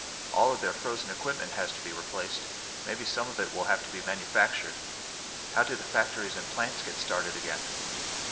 All of their frozen equipment has to be replaced. Maybe some of it will have to be manufactured. How do the factories and plants get started again?"